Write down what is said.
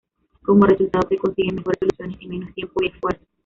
Como resultado se consiguen mejores soluciones en menos tiempo y esfuerzo.